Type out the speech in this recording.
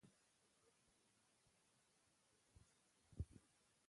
د مېړه او مېرمنې ترمنځ مینه د کور بنسټ دی.